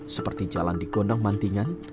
seperti jalan di gondang mantingan